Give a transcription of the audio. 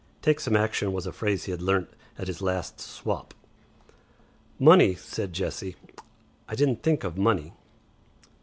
'Take some action' was a phrase he had learnt at his last 'swop.' "Money," said Jessie. "I didn't think of money."